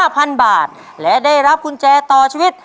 พันบาทและได้รับกุญแจต่อชีวิต